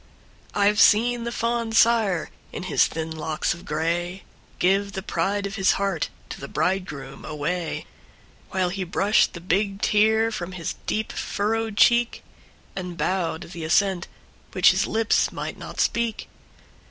I 've seen the fond sire, in his thin locks of gray, Give the pride of his heart to the bridegroom away; While he brushed the big tear from his deep furrowed cheek, And bowed the assent which his lips might not speak.